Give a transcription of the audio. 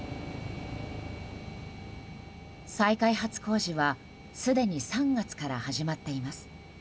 再開発工事はすでに３月から始まっています。